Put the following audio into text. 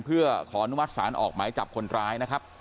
เพื่อขออนุมัติศาลออกหมายจับคนร้ายนะครับ